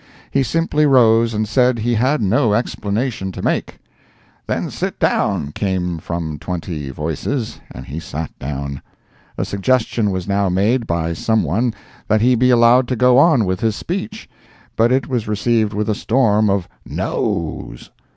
He simply rose and said he had no explanation to make. ["Then sit down!" came from twenty voices, and he sat down.] A suggestion was now made by someone that he be allowed to go on with his speech, but it was received with a storm of "Noes!"